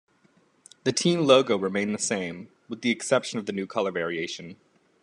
The team logo remained the same, with the exception of the new color variation.